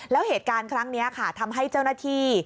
แล้วเหตุการณ์ครั้งนี้ค่ะทำให้เจ้าหน้าที่